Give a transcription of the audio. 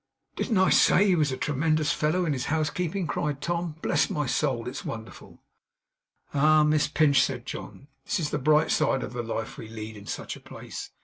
'Didn't I say he was a tremendous fellow in his housekeeping?' cried Tom. 'Bless my soul! It's wonderful.' 'Ah, Miss Pinch,' said John. 'This is the bright side of the life we lead in such a place.